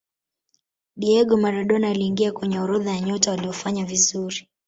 diego maradona aliingia kwenye orodha ya nyota waliofanya vizuri